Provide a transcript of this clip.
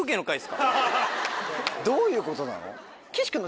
どういうことなの？